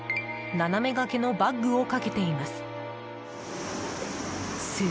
斜めがけのバッグをかけています。